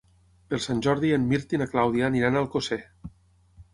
Per Sant Jordi en Mirt i na Clàudia aniran a Alcosser.